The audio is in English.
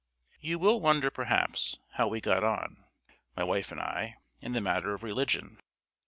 You will wonder, perhaps, how we get on my wife and I in the matter of religion.